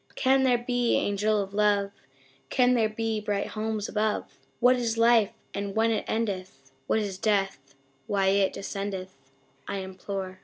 Can there be, Angel of Love Can there be bright homes above What is Life and when it endeth What is Death why it descendeth I implore?